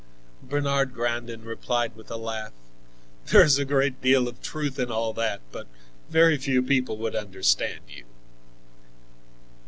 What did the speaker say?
Bernard Grandin replied with a laugh: "There is a great deal of truth in all that, but very few people would understand you."